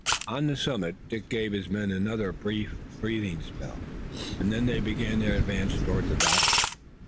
On the summit Dick gave his men another brief breathing spell, and then they began their advance toward the battle.